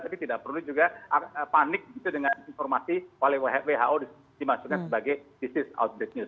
tapi tidak perlu juga panik gitu dengan informasi oleh who dimasukkan sebagai disease outbreak news